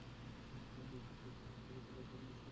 মহিলা যেহেতু আমার পিছে লেগেছিল, আমার তাকে নিষ্ক্রিয় করাই লাগতো।